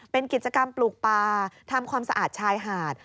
เป็นกิจกรรมปลูกปลาทำความสะอาดชายหาด